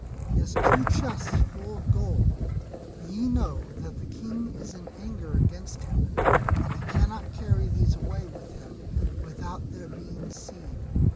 He has two chests full of gold; ye know that the King is in anger against him, and he cannot carry these away with him without their being seen.